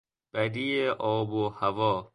بدی آب و هوا